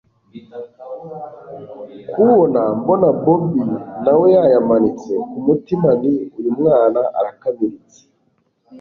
kubona mbona bobi nawe yayamanitse, kumutima nti uyu mwana arakamiritse